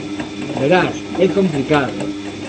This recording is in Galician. Verás, é complicado.